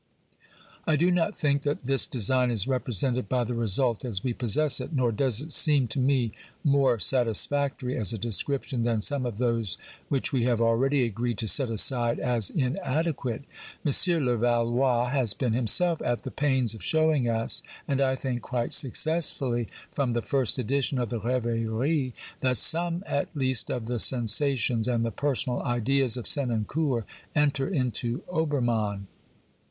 I do not think that this design is represented by the result as we possess it, nor does it seem to me more satisfactory as a description than some of those which we have already agreed to set aside as inadequate. M. Levallois has been himself at the pains of showing us, and I think quite successfully, from the first edition of the Reveries, that some at least of the sensations and the personal ideas of Senancour enter into Oberniafin.